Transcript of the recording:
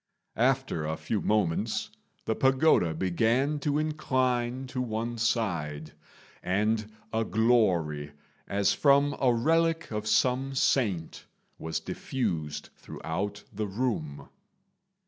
After a few moments the pagoda began to incline to one side, and a glory, as from a relic of some saint, was diffused throughout the room.